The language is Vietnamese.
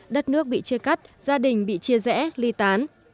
đất nước bị chia cắt gia đình bị chia rẽ ly tán